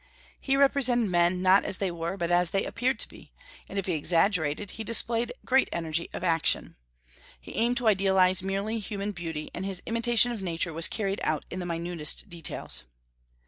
He represented men not as they were, but as they appeared to be; and if he exaggerated, he displayed great energy of action. He aimed to idealize merely human beauty, and his imitation of Nature was carried out in the minutest details.